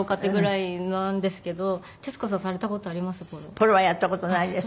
ポロはやった事ないです。